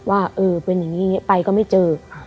ว่าเออเป็นอย่างนี้ไปก็ไม่เจอ